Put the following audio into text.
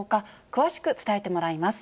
詳しく伝えてもらいます。